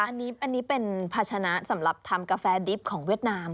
อันนี้เป็นภาชนะสำหรับทำกาแฟดิบของเวียดนาม